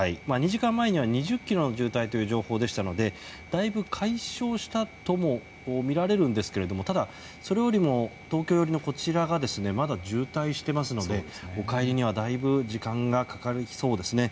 ２時間前には、２０ｋｍの渋滞という情報でしたのでだいぶ解消したともみられるんですがただ、それよりも東京寄りがまだ渋滞していますのでお帰りにはだいぶ時間がかかりそうですね。